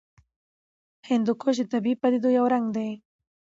هندوکش د طبیعي پدیدو یو رنګ دی.